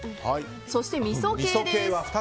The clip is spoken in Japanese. そして、みそ系です。